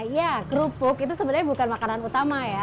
ya kerupuk itu sebenarnya bukan makanan utama ya